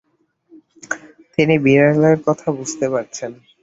তিনি বিড়ালের কথা বুঝতে পারছেন।